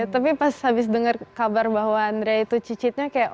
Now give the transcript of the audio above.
tapi pas habis dengar kabar bahwa andrea itu cicitnya kayak